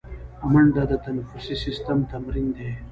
منډه د تنفسي سیستم تمرین دی